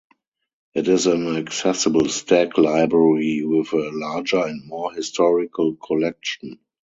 It is an accessible stack library with a larger and more historical collection.